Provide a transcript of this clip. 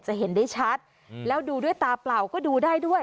เห็นได้ชัดแล้วดูด้วยตาเปล่าก็ดูได้ด้วย